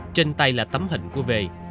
trên tay là tấm hình của v